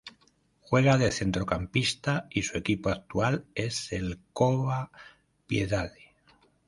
Juega de centrocampista y su equipo actual es el Cova Piedade.